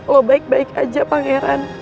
lo baik baik aja pangeran